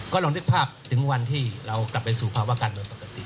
ก็ลองนึกภาพถึงวันที่เรากลับไปสู่ภาวะการเมืองปกติ